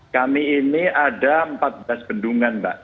kami ini ada empat belas bendungan mbak